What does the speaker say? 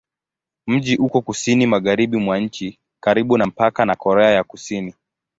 Mji uko kusini-magharibi mwa nchi, karibu na mpaka na Korea ya Kusini.